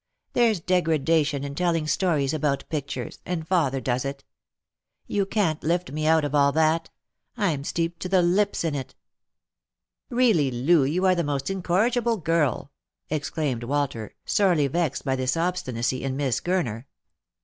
There's degradation in telling stories about pictures; and father does it. You can't lift me out of all that; I'm steeped to the lips in it." " Eeally, Loo, you are the most incorrigible girl !" exclaimed Walter, sorely vexed by this obstinacy in Miss Gurner.